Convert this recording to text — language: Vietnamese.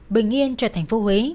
bình yên cho tp hcm